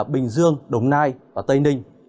bình dương đồng nai và tây ninh